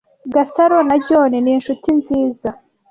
Gasaro na John ni inshuti nziza.